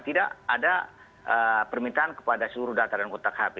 tidak ada permintaan kepada seluruh data dan kontak hp